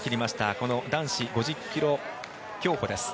この男子５０ｋｍ競歩です。